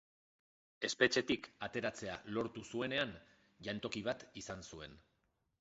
Espetxetik ateratzea lortu zuenean, jantoki bat izan zuen.